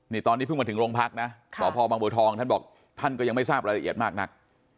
นี่ตอนนี้เพิ่งมาถึงโรงพักนะสพบางบัวทองท่านบอกท่านก็ยังไม่ทราบรายละเอียดมากนัก